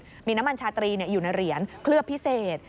มีน้ำมันชาตรีอยู่ในเหรียญเคลือบพิเศษ